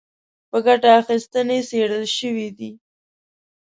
په ګټه اخیستنې څېړل شوي دي